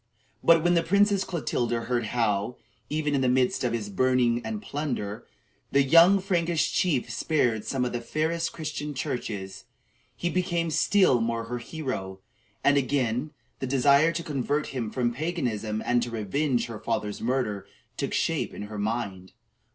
But when the Princess Clotilda heard how, even in the midst of his burning and plundering, the young Frankish chief spared some of the fairest Christian churches, he became still more her hero; and again the desire to convert him from paganism and to revenge her father's murder took shape in her mind.